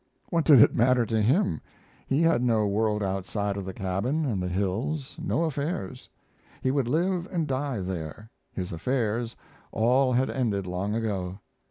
What did it matter to him? He had no world outside of the cabin and the hills, no affairs; he would live and die there; his affairs all had ended long ago.